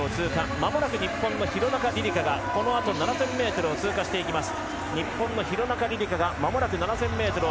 まもなく日本の廣中璃梨佳がこのあと７０００ｍを通過していきます。